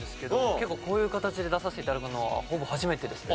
結構こういう形で出させて頂くのはほぼ初めてですね。